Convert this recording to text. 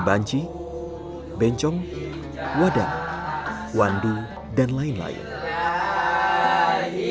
banci bencong wadah wandu dan lain lain rahmat tetapi sore itu dan sore sore yang lain dua kali seminggu